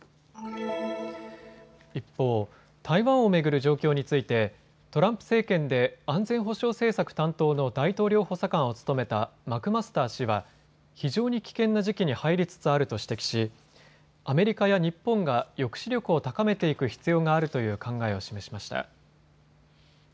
一方、台湾を巡る状況についてトランプ政権で安全保障政策担当の大統領補佐官を務めたマクマスター氏は非常に危険な時期に入りつつあると指摘しアメリカや日本が抑止力を高めていく必要があるという考えを示しました。